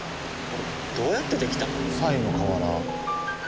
どうやってできたの？